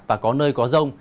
và có nơi có rông